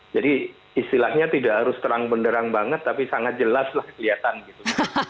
jadi istilahnya tidak harus terang benderang banget tapi sangat jelas lah kelihatan gitu